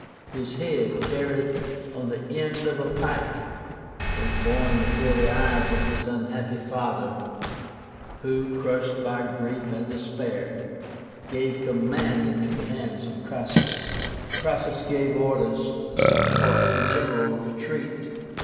His head, carried on the end of a pike, was borne before the eyes of his unhappy father, who, crushed by grief and despair, gave the command into the hands of Cassius. Cassius gave orders for a general retreat.